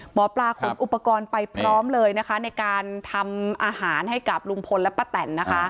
หมอปลาขนอุปกรณ์ไปพร้อมเลยนะคะในการทำอาหารให้กับลุงพลและป้าแตนนะคะ